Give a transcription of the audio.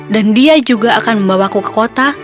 dan dia juga akan membawaku ke kota